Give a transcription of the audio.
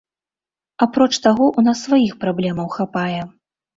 Апроч таго, у нас сваіх праблемаў хапае.